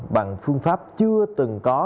bằng phương pháp chưa từng có